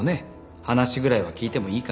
話ぐらいは聞いてもいいかなと。